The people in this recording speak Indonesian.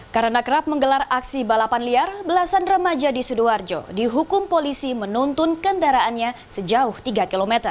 karena kerap menggelar aksi balapan liar belasan remaja di sidoarjo dihukum polisi menuntun kendaraannya sejauh tiga km